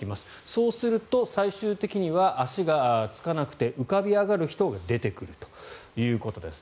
そうすると最終的には足がつかなくて浮かび上がる人が出てくるということです。